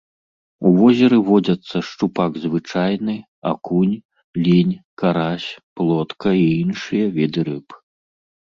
У возеры водзяцца шчупак звычайны, акунь, лінь, карась, плотка і іншыя віды рыб.